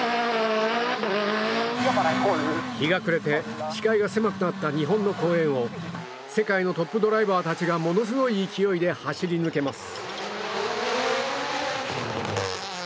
日が暮れて、視界が狭くなった日本の公園を世界のトップドライバーたちがものすごい勢いで走り抜けます。